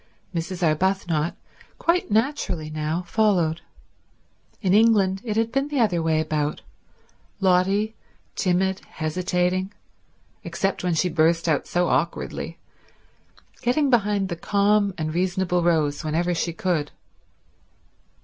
Mrs. Arbuthnot, quite naturally now, followed. In England it had been the other way about—Lotty, timid, hesitating, except when she burst out so awkwardly, getting behind the calm and reasonable Rose whenever she could.